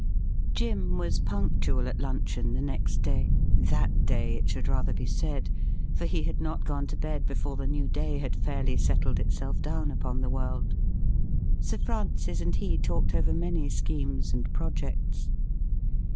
Jim was punctual at luncheon the next day — ^that day, it should rather be said — ^for he had not gone to bed before the new day had fairly settled itself down upon the world. Sir Francis and he talked over many schemes and projects.